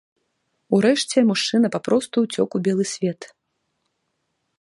Урэшце мужчына папросту ўцёк у белы свет.